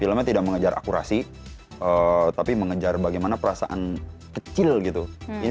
film ini tidak mengajak kita melihat hal hal besar justru mengajak kita melihat hal hal kecil yang biasa kita lewatkan gitu